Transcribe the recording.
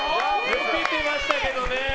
よけてましたけどね。